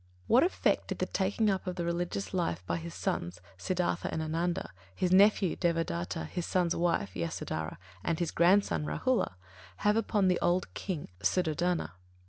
_What effect did the taking up of the religious life by his sons, Siddhārtha and Ānanda, his nephew, Devadatta, his son's wife, Yasudharā, and his grandson, Rāhula, have upon the old King Suddhodana?